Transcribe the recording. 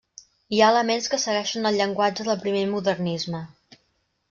Hi ha elements que segueixen el llenguatge del primer modernisme.